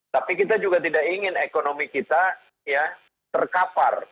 tapi kita juga tidak ingin ekonomi kita terkapar